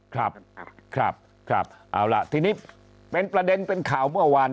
ครับครับเอาล่ะทีนี้เป็นประเด็นเป็นข่าวเมื่อวาน